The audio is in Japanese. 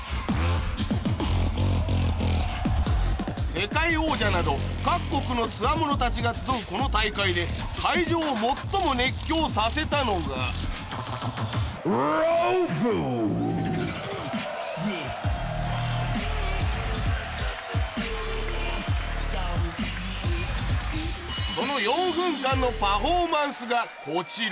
世界王者など各国のつわものたちが集うこの大会で会場を最も熱狂させたのがそのがこちら